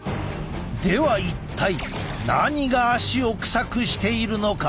では一体何が足をくさくしているのか？